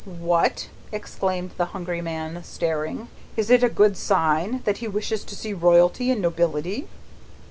"What?" exclaimed the hungry man, staring. "Is it a good sign, that he wishes to see Royalty and Nobility?"